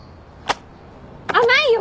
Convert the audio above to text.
甘いよ！